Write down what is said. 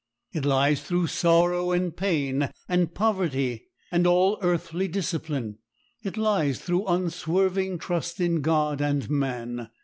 It lies through sorrow and pain and poverty and all earthly discipline. It lies through unswerving trust in God and man.